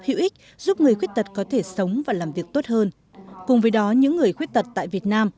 hữu ích giúp người khuyết tật có thể sống và làm việc tốt hơn cùng với đó những người khuyết tật tại việt nam